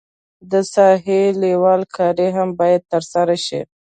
د ساحې لیول کاري هم باید ترسره شي